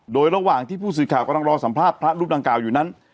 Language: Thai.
โดยระหว่างที่ผู้สื่อข่าวกำลังรอสัมภาษณ์พระรูปดังกล่าวอยู่นั้น